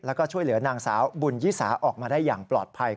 แล้วก็ช่วยเหลือนางสาวบุญยิสาออกมาได้อย่างปลอดภัย